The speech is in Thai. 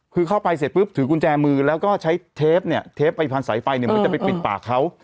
คือเข้าไปเสร็จปุ๊บถือกุญแจมือแล้วก็ใช้เทปเนี่ยเทปไปพันสายไฟเนี่ยเหมือนจะไปปิดปากเขา